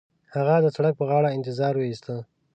هغه د سړک پر غاړه انتظار وېسته.